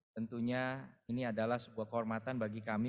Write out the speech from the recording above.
tentunya ini adalah sebuah kehormatan bagi kami